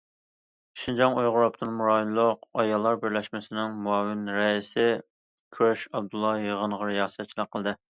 شىنجاڭ ئۇيغۇر ئاپتونوم رايونلۇق ئاياللار بىرلەشمىسىنىڭ مۇئاۋىن رەئىسى كۈرەش ئابدۇللا يىغىنغا رىياسەتچىلىك قىلدى.